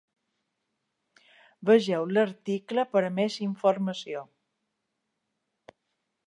Vegeu l'article per a més informació.